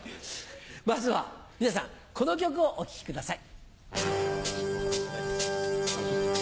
まずは皆さんこの曲をお聴きください。